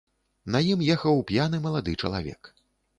На ім ехаў п'яны малады чалавек.